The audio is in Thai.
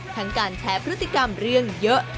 การแชร์พฤติกรรมเรื่องเยอะ